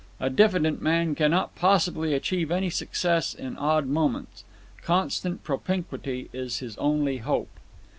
A diffident man cannot possibly achieve any success in odd moments. Constant propinquity is his only hope.